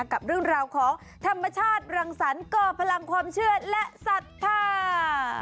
กับเรื่องราวของธรรมชาติรังสรรคก่อพลังความเชื่อและศรัทธา